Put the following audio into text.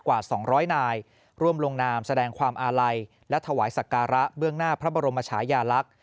กว่า๒๐๐นายร่วมลงนามแสดงความอาลัยและถวายสักการะเบื้องหน้าพระบรมชายาลักษณ์